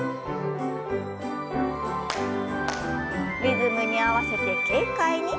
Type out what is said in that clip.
リズムに合わせて軽快に。